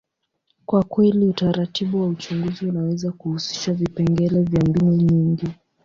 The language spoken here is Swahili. kwa kweli, utaratibu wa uchunguzi unaweza kuhusisha vipengele vya mbinu nyingi.